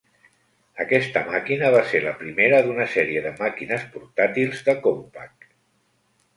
Aquesta màquina va ser la primera d'una sèrie de màquines portàtils de Compaq.